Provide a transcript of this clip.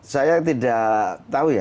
saya tidak tahu ya